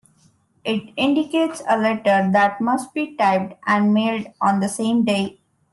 It indicates a letter that must be typed and mailed on the same day.